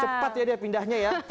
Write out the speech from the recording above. cepat ya dia pindahnya ya